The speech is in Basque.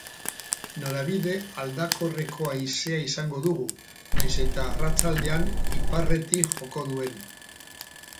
Norabide aldakorreko haizea izango dugu, nahiz eta arratsaldean iparretik joko duen.